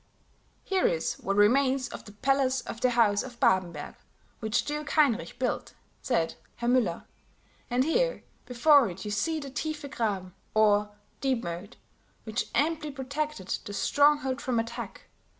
"Here is what remains of the palace of the House of Babenberg, which Duke Heinrich built," said Herr Müller; "and here before it you see the Tiefe graben, or deep moat, which amply protected the stronghold from attack.